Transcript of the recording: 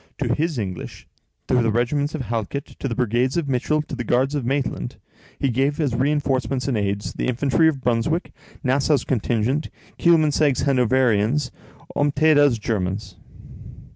To his English, to the regiments of Halkett, to the brigades of Mitchell, to the guards of Maitland, he gave as reinforcements and aids, the infantry of Brunswick, Nassau's contingent, Kielmansegg's Hanoverians, and Ompteda's Germans.